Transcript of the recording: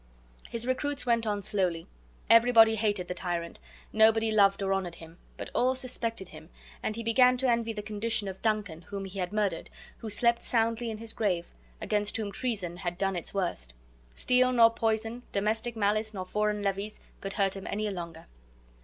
His recruits went on slowly. Everybody hated the tyrant; nobody loved or honored him; but all suspected him; and he began to envy the condition of Duncan, whom he had murdered, who slept soundly in his grave, against whom treason had done its worst. Steel nor poison, domestic malice nor foreign levies, could hurt him any longer.